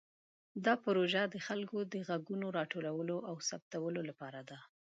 دا پروژه د خلکو د غږونو راټولولو او ثبتولو لپاره ده.